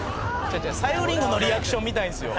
さゆりんごのリアクション見たいんですよ。